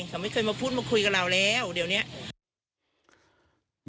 เขาไม่เคยมาพูดมาคุยกับเราแล้วเดี๋ยวเนี้ย